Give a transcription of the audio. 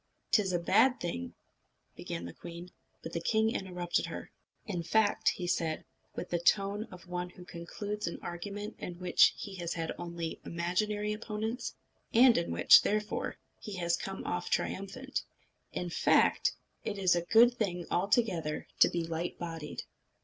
"'T is a bad thing " began the queen; but the king interrupted her. "In fact," said he, with the tone of one who concludes an argument in which he has had only imaginary opponents, and in which, therefore, he has come off triumphant "in fact, it is a good thing altogether to be light bodied."